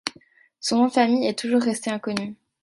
Son nom de famille est toujours resté inconnu.